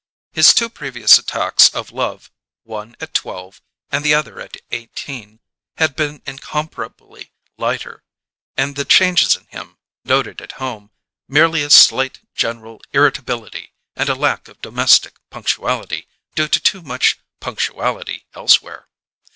His two previous attacks of love (one at twelve, and the other at eighteen) had been incomparably lighter, and the changes in him, noted at home, merely a slight general irritability and a lack of domestic punctuality due to too much punctuality elsewhere.